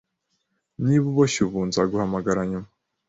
Niba uboshye ubu, nzaguhamagara nyuma